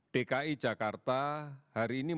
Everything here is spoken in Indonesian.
dki jakarta hari ini